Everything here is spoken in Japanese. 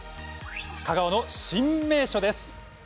香川の新名所です。